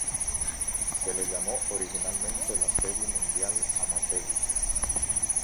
Se le llamó originalmente la Serie Mundial Amateur.